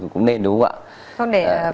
cũng nên đúng không ạ